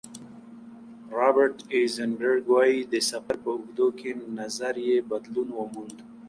رابرټ ایزنبرګ وايي، د سفر په اوږدو کې نظر یې بدلون وموند.